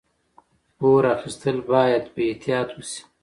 پور اخیستل باید په احتیاط وشي.